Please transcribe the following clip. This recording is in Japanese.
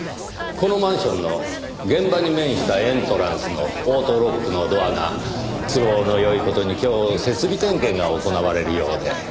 このマンションの現場に面したエントランスのオートロックのドアが都合のよい事に今日設備点検が行われるようで。